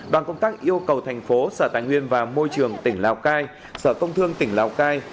đoàn công tác yêu cầu thành phố sở tài nguyên và môi trường tỉnh lào cai sở công thương tỉnh lào cai